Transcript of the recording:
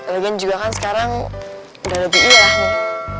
lagian juga kan sekarang udah lebih iya nih